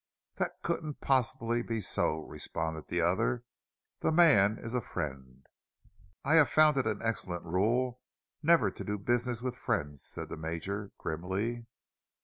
"That couldn't possibly be so," responded the other. "The man is a friend—" "I've found it an excellent rule never to do business with friends," said the Major, grimly.